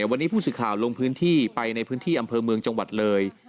วันนี้ผู้สื่อข่าวลงพื้นที่ไปในพื้นที่อำเภอเมืองจังหวัดเลย